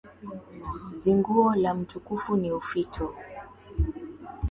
Zinguo la mtukufu ni ufito